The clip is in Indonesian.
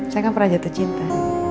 saya kan pernah jatuh cinta